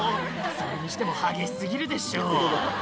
「それにしても激し過ぎるでしょ」